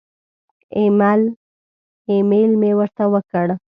ایمیل مې ورته وکړ.